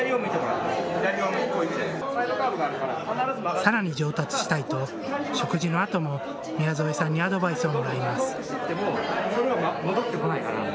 さらに上達したいと食事のあとも宮副さんにアドバイスをもらいます。